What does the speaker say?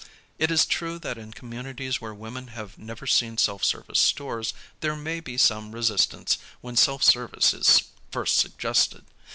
It is true that in communities where women have never seen self service stores, there may be some resistance when self service is first suggested.